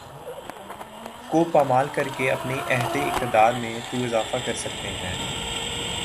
کو پامال کرکے اپنے عہد اقتدار میں تو اضافہ کر سکتے ہیں